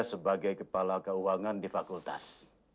sebagai kepala keuangan di fakultas